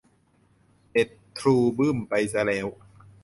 เน็ตทรูบึ้มไปซะแล้ว